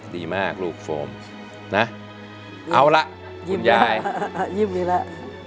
ดีมากลูกโฟมเอาละคุณยายยิ้มดีแล้ว